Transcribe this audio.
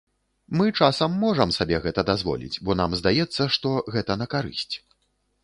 Мы часам можам сабе гэта дазволіць, бо нам здаецца, што гэта на карысць.